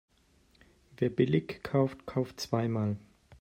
Wer billig kauft, kauft zweimal.